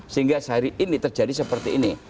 sehingga sehari ini terjadi seperti ini